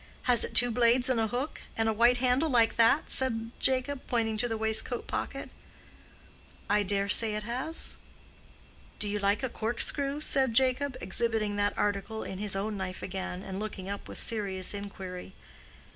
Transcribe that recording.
"Has it two blades and a hook—and a white handle like that?" said Jacob, pointing to the waistcoat pocket. "I dare say it has." "Do you like a cork screw?" said Jacob, exhibiting that article in his own knife again, and looking up with serious inquiry.